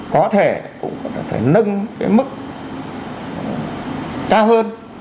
có thể cũng có thể nâng cái mức cao hơn